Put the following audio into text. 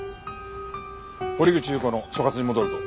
堀口裕子の所轄に戻るぞ。